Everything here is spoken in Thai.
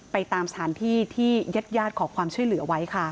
ไปตามสถานที่ที่เย็ดขอความช่วยเหลือไว้ค่ะ